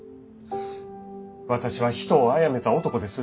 私は人をあやめた男です。